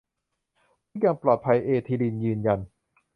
ทุกอย่างปลอดภัยเอลีนยืนยัน